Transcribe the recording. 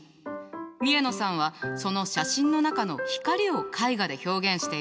三重野さんはその写真の中の光を絵画で表現しているのよ。